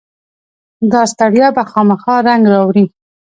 داستړیا به خامخا رنګ راوړي.